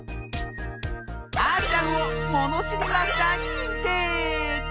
あーちゃんをものしりマスターににんてい！